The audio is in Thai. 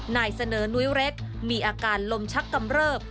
นายเสนอนุ้ยเร็ดมีอาการลมชักกำเริบ